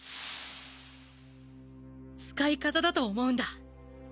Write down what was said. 使い方だと思うんだ。